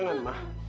ma jangan ma